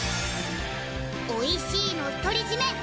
おいしいの独り占め